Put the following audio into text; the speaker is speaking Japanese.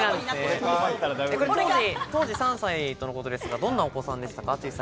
当時３歳とのことですが、どんなお子さんでしたか？